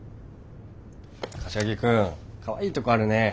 柏木君かわいいとこあるね。